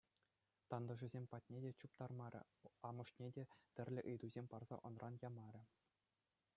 Тантӑшӗсем патне те чуптармарӗ, амӑшне те тӗрлӗ ыйтусем парса ӑнран ямарӗ.